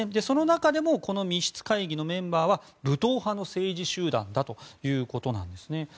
その中でもこの密室会議のメンバーは武闘派の政治集団だということです。